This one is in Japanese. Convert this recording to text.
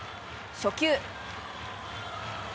初球。